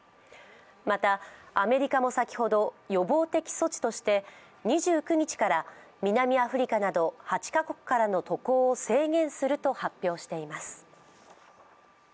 またアメリカも先ほど予防的措置として、２９日から南アフリカなど８カ国からの渡航を制限すると発表しています。